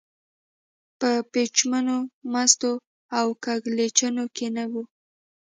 په پېچومو، مستو او کږلېچونو کې نه و.